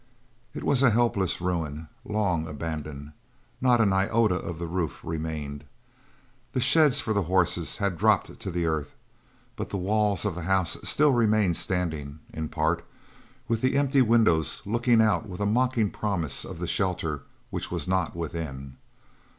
It was a helpless ruin, long abandoned. Not an iota of the roof remained. The sheds for the horses had dropped to the earth; but the walls of the house still remained standing, in part, with the empty windows looking out with a mocking promise of the shelter which was not within.